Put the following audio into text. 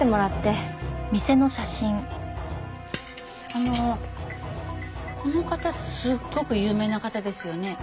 あのこの方すごく有名な方ですよね？